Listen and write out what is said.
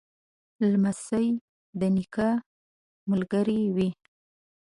لمسی د نیکه ملګری وي.